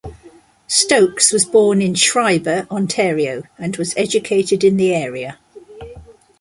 Stokes was born in Schreiber, Ontario and was educated in the area.